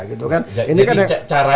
gitu kan jadi cara